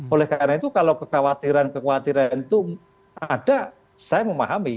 oleh karena itu kalau kekhawatiran kekhawatiran itu ada saya memahami